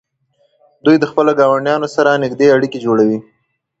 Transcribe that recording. دوی د خپلو ګاونډیانو سره نږدې اړیکې جوړوي.